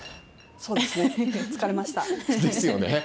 そうですね。